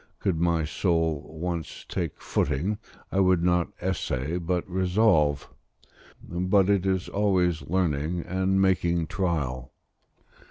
Could my soul once take footing, I would not essay but resolve: but it is always learning and making trial.